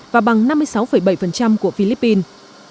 và bằng năm mươi sáu bảy của philippines